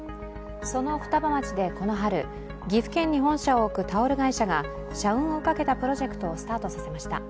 その双葉町でこの春、岐阜県に本社を置くタオル工場が社運をかけたプロジェクトをスタートさせました。